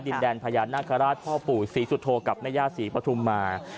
ดินแดนพญานาคาราชพ่อปู่ศรีสุโธกับแม่ย่าศรีปฐุมมา